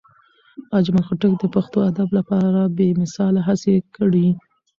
اجمل خټک د پښتو ادب لپاره بې مثاله هڅې کړي.